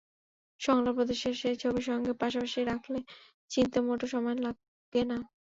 শংখলা প্রদেশের সেই ছবির সঙ্গে পাশাপাশি রাখলে চিনতে মোটেও সময় লাগে না।